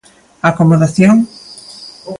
Acomodación?